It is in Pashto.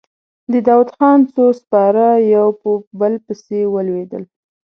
د داوودخان څو سپاره يو په بل پسې ولوېدل.